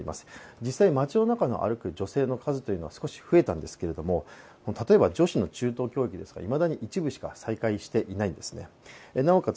実際、街の中を歩く女性の数は少し増えたんですけれども例えば女子の中等教育ですがいまだに一部しか再開していないんですね、なおかつ